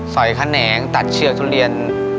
ส่อยแขะแหนงตัดเชื่อทุเรียน